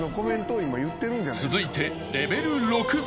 ［続いて］